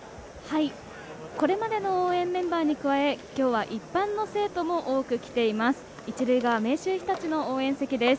これまでの応援メンバーに加えきょうは、一般の生徒も多く来ています。